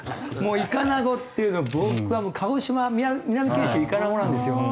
イカナゴっていうのは僕は鹿児島南九州イカナゴなんですよ。